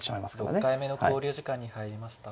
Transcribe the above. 藤井九段６回目の考慮時間に入りました。